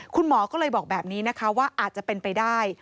คุณหมอก็เลยบอกแบบนี้นะคะว่าอาจจะเป็นไปได้